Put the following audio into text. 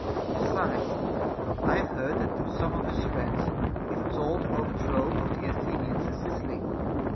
Besides, I have heard that to some of his friends he foretold the overthrow of the Athenians in Sicily.